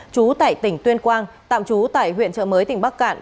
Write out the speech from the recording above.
trú tại tỉnh tuyên quang tạm trú tại huyện trợ mới tỉnh bắc cạn